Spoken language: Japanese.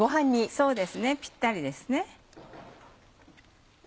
そうですねぴったりですね。